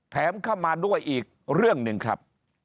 แถมเข้ามาด้วยอีกเรื่องหนึ่งครับ